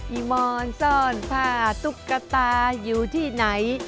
ีมอนซ่อนผ้าตุ๊กตาอยู่ที่ไหน